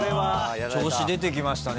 調子出てきましたね